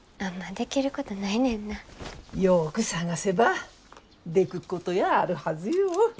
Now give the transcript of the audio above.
よく探せばでくっことやあるはずよ。